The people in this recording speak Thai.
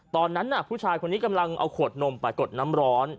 ตอนนั้นผู้ชายเอาขวดนมไปน้ำร้อน